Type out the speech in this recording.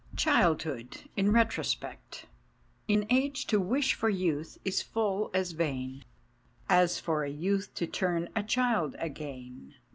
CHILDHOOD IN RETROSPECT " In age to wish for youth is full as vain, As for a youth to turn a child again."